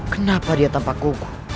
kenapa dia tanpa kuku